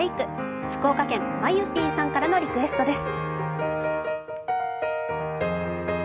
福岡県、まゆぴぃさんからのリクエストです。